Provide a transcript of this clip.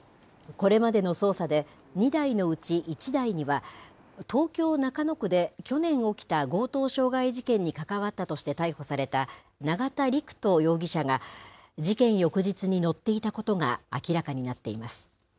これまでの捜査で、２台のうち１台には、東京・中野区で去年起きた強盗傷害事件に関わったとして逮捕された永田陸人容疑者が、事件翌日に乗っていたことが明らかになっています。